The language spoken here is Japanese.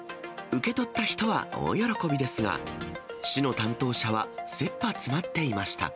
受け取った人は大喜びですが、市の担当者はせっぱ詰まっていました。